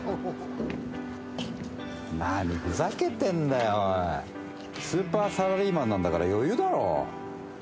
なにふざけてんだよ、スーパーサラリーマンなんだから余裕だろ。